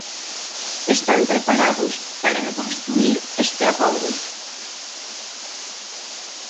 Están preparados para reconstruír este acordo?